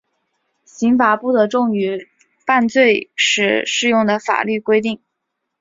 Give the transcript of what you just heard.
刑罚不得重于犯罪时适用的法律规定。